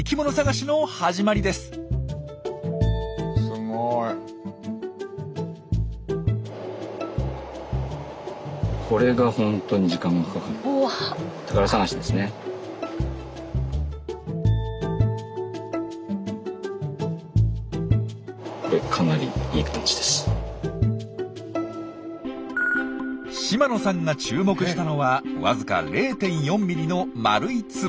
すごい。島野さんが注目したのはわずか０．４ｍｍの丸い粒。